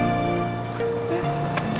ya ya pasti